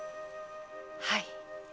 はい。